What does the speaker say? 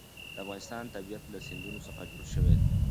د افغانستان طبیعت له سیندونه څخه جوړ شوی دی.